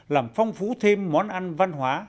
làm phong phú thêm món ăn văn hóa